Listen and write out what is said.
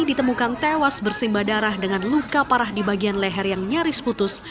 ditemukan tewas bersimba darah dengan luka parah di bagian leher yang nyaris putus